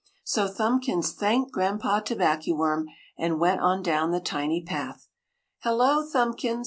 So Thumbkins thanked Granpa Tobackyworm and went on down the tiny path. "Hello, Thumbkins!"